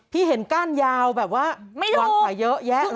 พี่เห็นก้านยาวแบบว่าวางขาเยอะแยะ